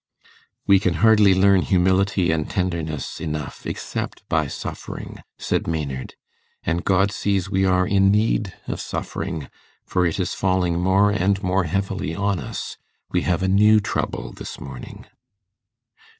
'We can hardly learn humility and tenderness enough except by suffering,' said Maynard; 'and God sees we are in need of suffering, for it is falling more and more heavily on us. We have a new trouble this morning.